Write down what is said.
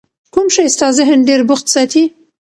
کوم شی ستا ذهن ډېر بوخت ساتي؟